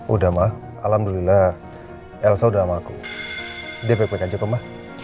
udah ma alhamdulillah elsa udah sama aku dia baik baik aja ke ma